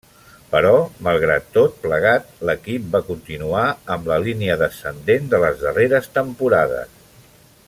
Però malgrat tot plegat l'equip va continuar amb la línia descendent de les darreres temporades.